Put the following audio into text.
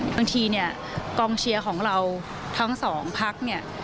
บางทีกองเชียร์ของเราทั้งสองพัก